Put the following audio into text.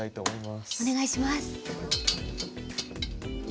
お願いします。